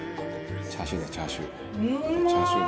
「チャーシューだチャーシュー」